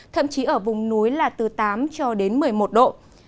thậm chí ở vùng núi là từ tám cho đến một mươi một độ